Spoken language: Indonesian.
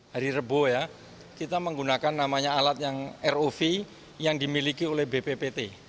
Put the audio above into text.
hari rebo ya kita menggunakan namanya alat yang rov yang dimiliki oleh bppt